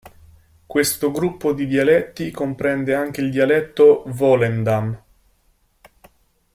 Questo gruppo di dialetti comprende anche il dialetto di Volendam.